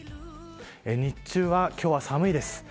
日中は今日寒いです。